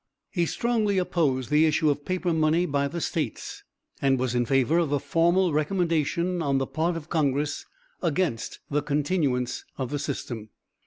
He strongly opposed the issue of paper money by the States, and was in favor of a formal recommendation on the part of congress against the continuance of the system.